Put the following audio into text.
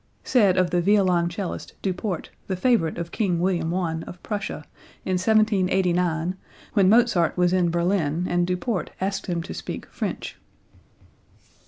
(Said of the violoncellist Duport, the favorite of King William I, of Prussia, in 1789, when Mozart was in Berlin and Duport asked him to speak French.)